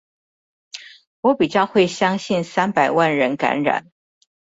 我比較會相信三百萬人感染